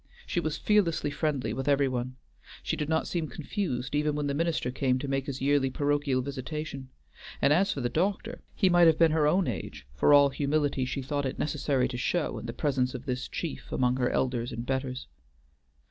She was fearlessly friendly with every one; she did not seem confused even when the minister came to make his yearly parochial visitation, and as for the doctor, he might have been her own age, for all humility she thought it necessary to show in the presence of this chief among her elders and betters.